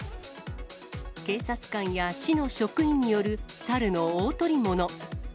警察官や市の職員による猿の大捕り物。